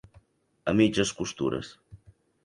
A mitges costures.